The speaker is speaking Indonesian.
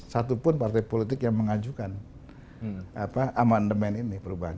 satupun partai politik yang mengajukan amandemen ini perubahan